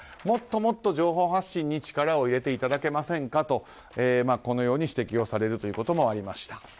もっともっと情報発信に力を入れていただけませんかと指摘をされることもありました。